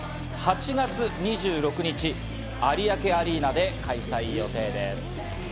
８月２６日、有明アリーナで開催予定です。